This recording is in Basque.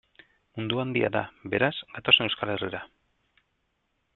Mundua handia da, beraz, gatozen Euskal Herrira.